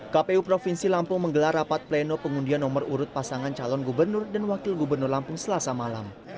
kpu provinsi lampung menggelar rapat pleno pengundian nomor urut pasangan calon gubernur dan wakil gubernur lampung selasa malam